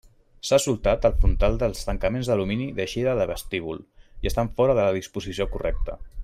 S'ha soltat el frontal dels tancaments d'alumini d'eixida de vestíbul, i estan fora de la disposició correcta.